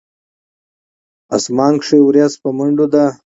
اسمان کښې وريځ پۀ منډو ده